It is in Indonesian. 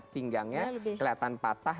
pinggangnya kelihatan patah